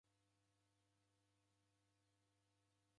Kuselale kuselombie.